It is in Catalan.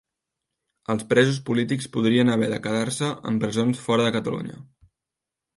Els presos polítics podrien haver de quedar-se en presons fora de Catalunya